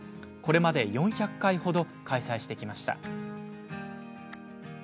これまで４００回ほど開催してきました。